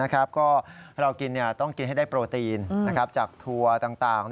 ก็เรากินต้องกินให้ได้โปรตีนจากถั่วต่าง